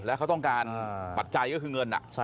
แล้วเขาต้องการปัจจัยก็คือเงิน